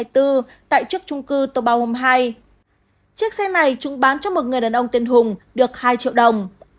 tại chiếc xe này chúng bán cho một người đàn ông tên hùng được hai triệu đồng